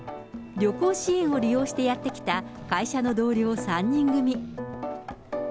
旅行支援を利用してやって来た会社の同僚３人組。